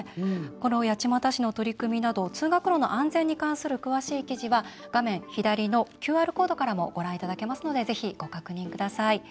八街市の取り組みなど通学路の安全に関する詳しい記事は画面左のＱＲコードからもご覧いただけますのでぜひ、ご確認ください。